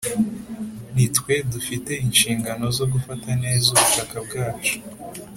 ni twe dufite inshingano zo gufata neza ubutaka bwacu